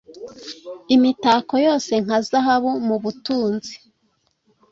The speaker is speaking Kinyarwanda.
Imitako yose nka zahabu mubutunzi